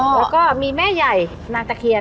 แล้วก็มีแม่ใหญ่นางตะเคียน